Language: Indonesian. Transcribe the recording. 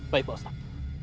baik pak ustadz